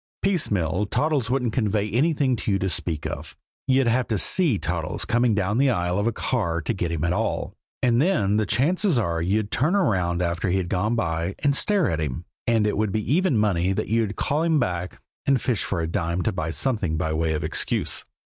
Piecemeal, Toddles wouldn't convey anything to you to speak of. You'd have to see Toddles coming down the aisle of a car to get him at all and then the chances are you'd turn around after he'd gone by and stare at him, and it would be even money that you'd call him back and fish for a dime to buy something by way of excuse.